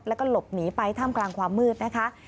แล้วก็หลบหนีไปท่ามกลางความมืดนะคะ